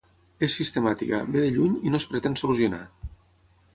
És sistèmica, ve de lluny i no es pretén solucionar.